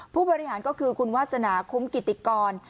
ผู้บริหารก็คือคุณวาสนาคุ้มกิติกร